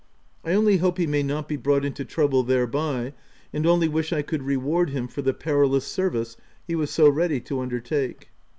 I only hope he may not be brought into trouble thereby, and only wish I could reward him for the perilous service he was so ready to undertake.